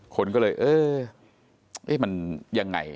คนก็เลยเอ๊ะมันยังไง